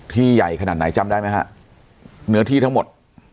ที่ใหญ่ขนาดไหนจำได้ไหมฮะเนื้อที่ทั้งหมด